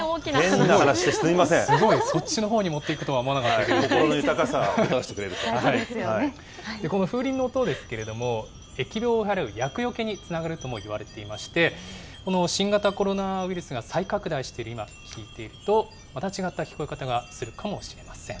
すごい、そっちのほうに持っ心の豊かさをもたらしてくれこの風鈴の音ですけれども、疫病を払う厄よけにもつながるともいわれていまして、この新型コロナウイルスが再拡大している今、聞いていると、また違った聞こえ方がするかもしれません。